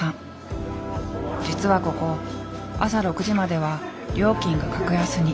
実はここ朝６時までは料金が格安に。